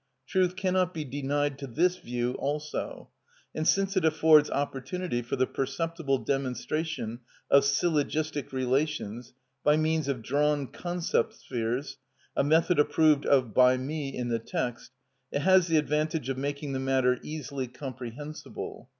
Truth cannot be denied to this view also; and since it affords opportunity for the perceptible demonstration of syllogistic relations by means of drawn concept spheres, a method approved of by me in the text, it has the advantage of making the matter easily comprehensible.